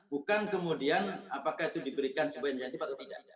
bukan kemudian apakah itu diberikan sebuah insentif atau tidak